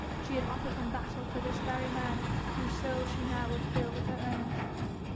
She had offered him battle for this very man whose soul she now would fill with her own.